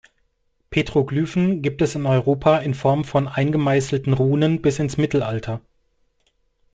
Petroglyphen gibt es in Europa in Form von eingemeißelten Runen bis ins Mittelalter.